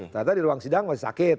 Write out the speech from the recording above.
ternyata di ruang sidang masih sakit